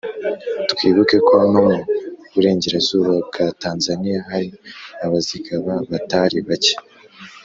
twibuke ko no mu burengerazuba bwa tanzaniya hari abazigaba batari bake